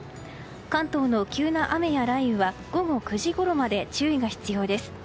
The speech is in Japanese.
関東の急な雨や雷雨は午後９時ごろまで注意が必要です。